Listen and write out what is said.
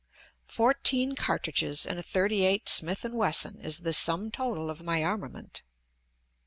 Fourteen cartridges and a 38 Smith & Wesson is the sum total of my armament.